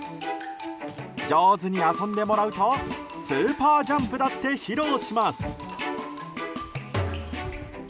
上手に遊んでもらうとスーパージャンプだって披露します！